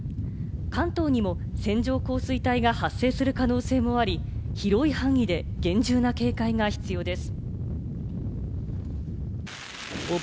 関東にも線状降水帯が発生する可能性もあり、広い範囲で厳重な警戒が必要です。